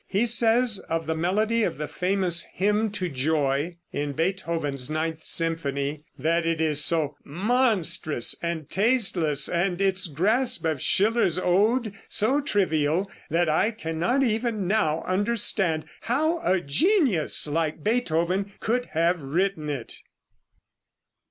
He says of the melody of the famous "Hymn to Joy," in Beethoven's ninth symphony, that it is so "monstrous and tasteless, and its grasp of Schiller's ode so trivial, that I cannot even now understand how a genius like Beethoven could have written it."